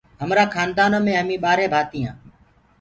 ميرآ خآندآ نو مي همي ٻآرهي ڀآتي هآن۔